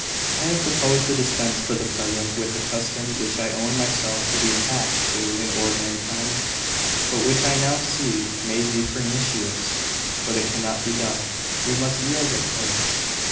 I have proposed to dispense, for the present, with a custom which I own myself to be attached to in ordinary times, but which I now see may be pernicious. But it cannot be done. We must yield the point."